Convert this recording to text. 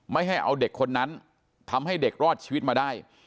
ไม่ให้เอาเด็กคนนั้นทำให้เด็กรอดชีวิตมาได้